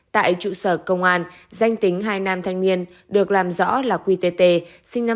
tại trụ sở công an danh tính hai nam thanh niên được làm rõ là quy tê tê sinh năm hai nghìn hai